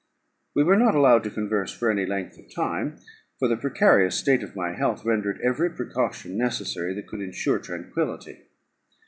We were not allowed to converse for any length of time, for the precarious state of my health rendered every precaution necessary that could ensure tranquillity.